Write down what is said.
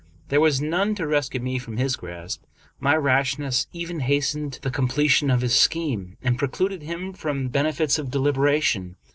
There was none to rescue me from his grasp. My rashness even hastened the completion of his scheme, and precluded him from the bene fits of deliberation.